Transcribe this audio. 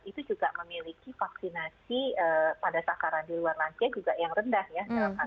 itu juga memiliki vaksinasi pada sasaran di luar lansia juga yang rendah ya